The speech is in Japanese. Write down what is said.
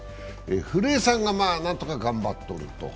古江さんが何とか頑張っておると。